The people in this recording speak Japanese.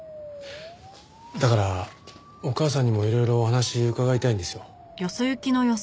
だからお母さんにもいろいろお話伺いたいんですよ。